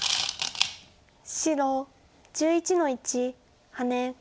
白１１の一ハネ。